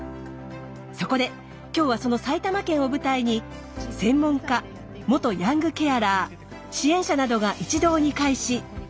そこで今日はその埼玉県を舞台に専門家元ヤングケアラー支援者などが一堂に会し徹底議論。